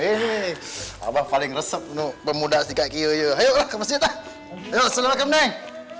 ini abang paling resep untuk pemuda sekaligus yuk ayo kita selesai kemenang